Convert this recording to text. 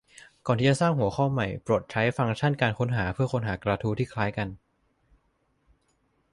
ก่อนที่จะสร้างหัวข้อใหม่โปรดใช้ฟังก์ชั่นการค้นหาเพื่อค้นหากระทู้ที่คล้ายกัน